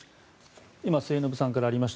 今、末延さんからありました